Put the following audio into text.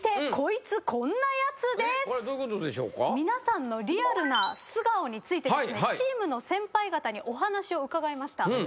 皆さんのリアルな素顔についてチームの先輩方にお話を伺いました。